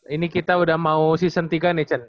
ini kita udah mau season tiga nih chan